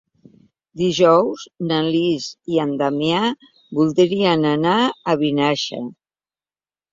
Dijous na Lis i en Damià voldrien anar a Vinaixa.